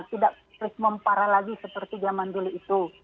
tidak terus memparah lagi seperti zaman dulu itu